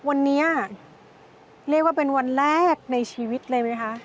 วันนี้เรียกว่าเป็นวันแรกในชีวิตเลยไหมคะ